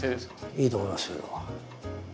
いいと思いますよ。